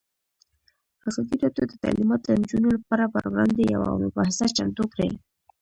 ازادي راډیو د تعلیمات د نجونو لپاره پر وړاندې یوه مباحثه چمتو کړې.